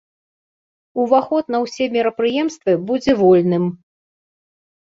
Уваход на ўсе мерапрыемствы будзе вольным.